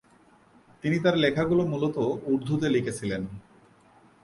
তিনি তার লেখাগুলো মূলত উর্দুতে লিখেছিলেন।